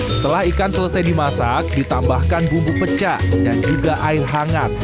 setelah ikan selesai dimasak ditambahkan bumbu pecah dan juga air hangat